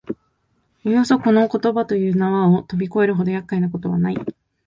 およそこの言葉という縄をとび越えるほど厄介なことはない